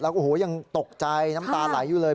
โอ้โหยังตกใจน้ำตาไหลอยู่เลย